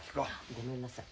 ごめんなさい。